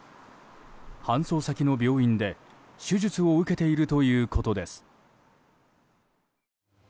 搬送先の病院で、手術を受けているということです。